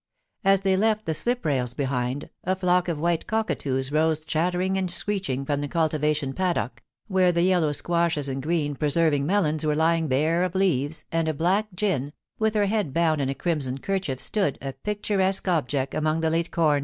As they left the slip rails behind, a flock of white cockatoos rose chattering and screeching from the cultivation paddock, where the yellow squashes and green preserving melons were lying bare of leaves, and a black gin, with her head bound in a crimson kerchief, stood, a picturesque object, among the late com.